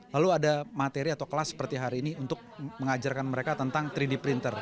lalu ada materi atau kelas seperti hari ini untuk mengajarkan mereka tentang tiga d printer